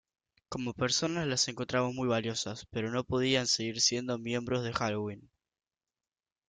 Como personas las encontramos muy valiosas, pero no podían seguir siendo miembros de Helloween.